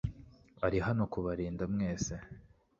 ari hano kubarinda mwese